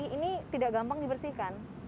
ini tidak gampang dibersihkan